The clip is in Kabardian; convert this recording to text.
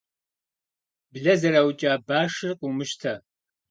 Блэ зэраукӏа башыр къыумыщтэ.